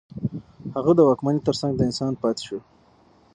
هغه د واکمنۍ ترڅنګ د انسان پاتې شو.